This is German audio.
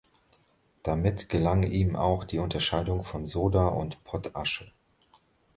Damit gelang ihm auch die Unterscheidung von Soda und Pottasche.